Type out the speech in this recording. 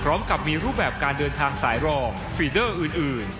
พร้อมกับมีรูปแบบการเดินทางสายรองฟีเดอร์อื่น